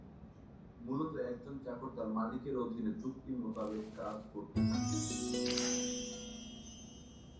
মূলত একজন চাকর তার মালিকের অধীনে চুক্তি মোতাবেক কাজ করে থাকে।